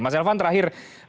mas elvan terakhir